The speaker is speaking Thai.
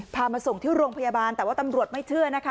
มาส่งที่โรงพยาบาลแต่ว่าตำรวจไม่เชื่อนะคะ